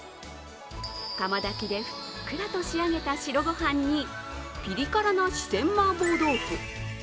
釜炊きでふっくらと仕上げた白ご飯にピリ辛な四川マーボー豆腐。